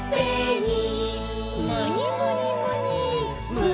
むにむにむに！